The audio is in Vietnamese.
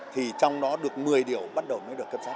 thì trong đó được một mươi điều bắt đầu mới được cấp sắc